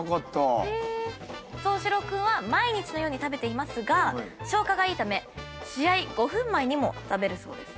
奏市郎君は毎日のように食べていますが消化がいいため試合５分前にも食べるそうです。